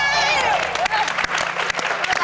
ไม่เป็นไร